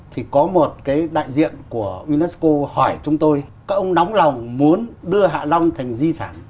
thì có một cái đại diện của unesco hỏi chúng tôi các ông nóng lòng muốn đưa hạ long thành di sản